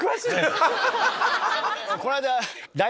この間。